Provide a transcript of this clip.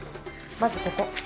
まずここ。